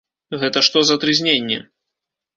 Гэта што за трызненне?